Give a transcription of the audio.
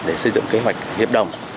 để xây dựng kế hoạch hiệp đồng